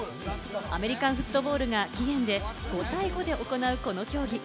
アメリカンフットボールが起源で５対５で行うこの競技。